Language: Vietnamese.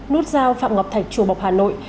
nút dao phạm ngọc thạch chùa bọc hà nội